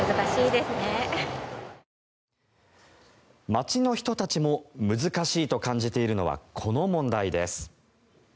街の人たちも難しいと感じているのはこの問題です。